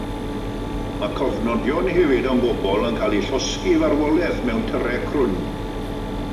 Mae cofnodion hefyd am bobl yn cael eu llosgi i farwolaeth mewn tyrau crwn.